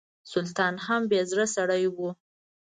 سلطان هم بې زړه سړی و.